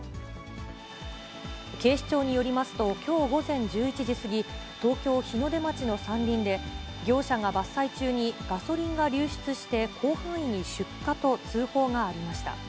警視庁によりますと、きょう午前１１時過ぎ、東京・日の出町の山林で、業者が伐採中にガソリンが流出して、広範囲に出火と通報がありました。